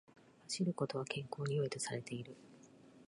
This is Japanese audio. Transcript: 走ることは健康に良いとされている